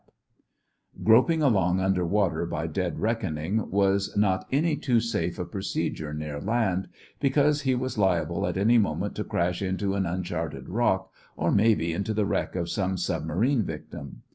Note the Four Torpedo Tubes Behind the Officer] Groping along under water by dead reckoning was not any too safe a procedure near land, because he was liable at any moment to crash into an uncharted rock or maybe into the wreck of some submarine victim.